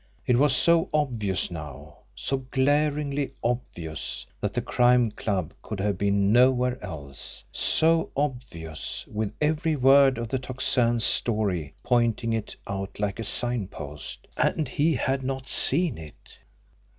It was so obvious now, so glaringly obvious, that the Crime Club could have been nowhere else; so obvious, with every word of the Tocsin's story pointing it out like a signpost and he had not seen it!